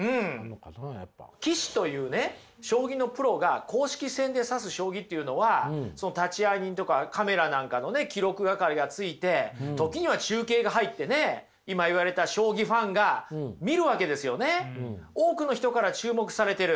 棋士というね将棋のプロが公式戦で指す将棋というのは立会人とかカメラなんかの記録係がついて時には中継が入ってね今言われた将棋ファンが見るわけですよね。